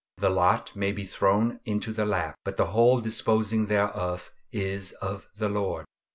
The lot may be thrown into the lap, but the whole disposing thereof is of the Lord.